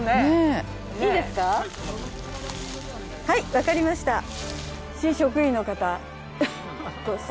はいわかりました。